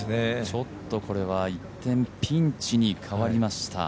ちょっとこれは一転、ピンチに変わりました。